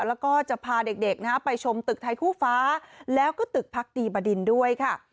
แล้วก็จะพาเด็กไปชมตึกไทยคู่ฟ้าแล้วก็ตึกพักดีบดินด้วยค่ะ